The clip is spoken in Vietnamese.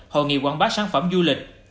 hội nghị quảng bá sản phẩm du lịch